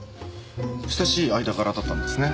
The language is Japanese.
親しい間柄だったんですね。